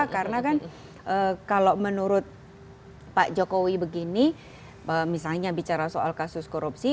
karena kan kalau menurut pak cokowi begini misalnya bicara soal kasus korupsi